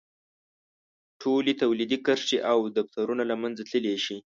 ټولې تولیدي کرښې او دفترونه له منځه تللی شي.